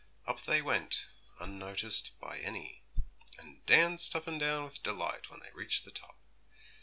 Up they went, unnoticed by any, and danced up and down with delight when they reached the top.